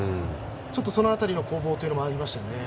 その辺りの攻防というのもありましたね。